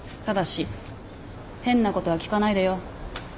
ただし変なことは聞かないでよ。